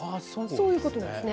そういうことですね。